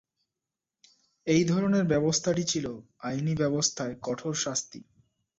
এই ধরনের ব্যবস্থাটি ছিল আইনি ব্যবস্থায় কঠোর শাস্তি।